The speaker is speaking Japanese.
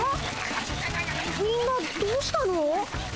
みんなどうしたの？